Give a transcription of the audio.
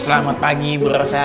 selamat pagi buru saya